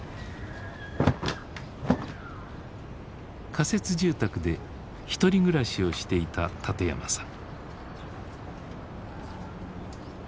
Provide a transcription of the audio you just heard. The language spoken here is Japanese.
仮設住宅で１人暮らしをしていた館山さん。